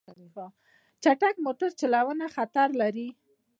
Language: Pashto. چټک موټر چلوونه خطر لري.